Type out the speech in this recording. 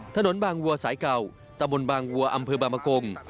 ถนนบางวัวสายเก่าตะบนบางวัวอำเภอบางมะกง